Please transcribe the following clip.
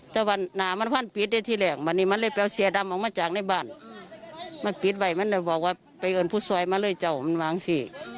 ก็เรียกว่าไปเอิญผู้ซวยมาเลยเจ้ามันวางสี